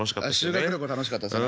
修学旅行楽しかったですね。